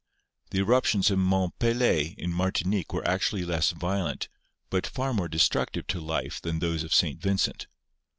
The eruptions of Mont Pelee in Martinique were actu ally less violent, but far more destructive to life than those of St. Vincent.